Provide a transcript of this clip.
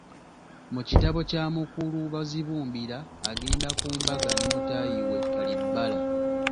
Mu kitabo kya mukulu Bazibumbira agenda ku mbaga ne mutaayi we Kalibbala.